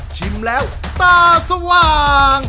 ชิมแล้วตาสว่าง